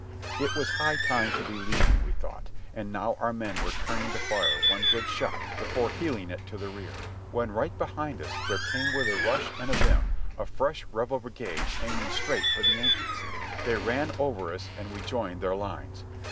It was high time to be leaving, we thought, and now our men were turning to fire one good shot before heeling it to the rear, when right behind us there came with a rush and a vim a fresh Rebel brigade aiming straight for the Yankees. They ran over us and we joined their lines.